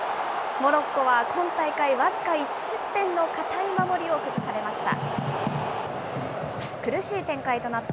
モロッコは今大会、僅か１失点の堅い守りを崩されました。